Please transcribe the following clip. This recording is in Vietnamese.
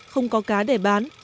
không có cá để bán